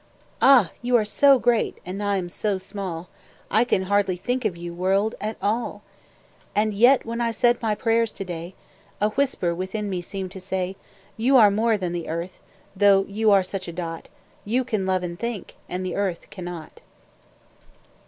Ah! you are so great, and I am so small, I hardly can think of you, World, at all; And yet, when I said my prayers to day, A whisper within me seemed to say: You are more than the Earth, Though you are such a dot; You can love and think, and the Earth cannot.